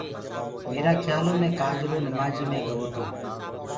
ميرآ کيآلو مي ڪآجرو نمآجيٚ مي گوو تو